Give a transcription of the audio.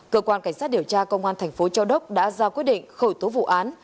cơ quan cảnh sát điều tra công an thành phố châu đốc đã ra quyết định khởi tố vụ án